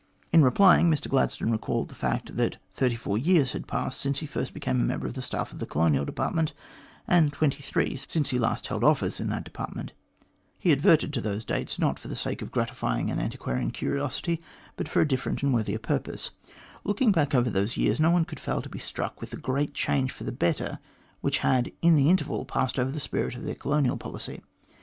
In replying, Mr Gladstone recalled the fact that thirty four years had passed since he first became a member of the staff of the Colonial Department, and twenty three since he last held office in that Department. He adverted to those dates, MR GLADSTONE AND THE COLONIES 249 not for the sake of gratifying an antiquarian curiosity, but for a different and worthier purpose. Looking back over those years, no one could fail to be struck with the great change for the better which had in the interval passed over the spirit of their colonial policy.